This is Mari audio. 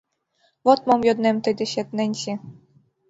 — Вот мом йоднем тый дечет, Ненси.